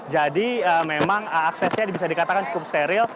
jadi memang aksesnya bisa dikatakan cukup steril